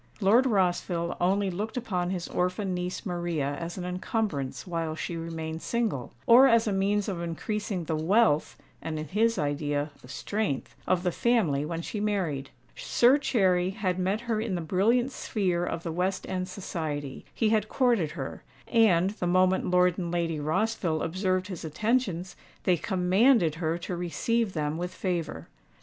Lord Rossville only looked upon his orphan niece Maria as an encumbrance while she remained single, or as a means of increasing the wealth (and in his idea, the strength) of the family when she married. Sir Cherry had met her in the brilliant sphere of the West End society: he had courted her; and, the moment Lord and Lady Rossville observed his attentions, they commanded her to receive them with favour.